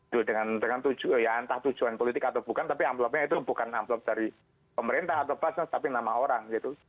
itu dengan entah tujuan politik atau bukan tapi amplopnya itu bukan amplop dari pemerintah atau basnas tapi nama orang gitu